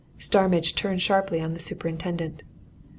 Starmidge turned sharply on the superintendent.